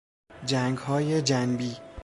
جنگهای جنبی